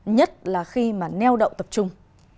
nhất là khi mà neo đậu tập trung